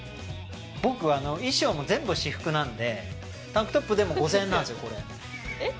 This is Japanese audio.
僕衣装も全部私服なんでタンクトップでも５０００円なんですよこれえっ？